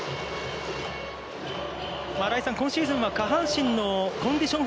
新井さん、今シーズンは下半身のコンディション